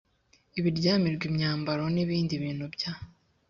ibiryamirwa imyambaro n ibindi bintu bya